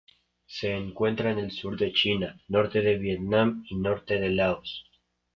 Se encuentra en el sur de China, norte de Vietnam y norte de Laos.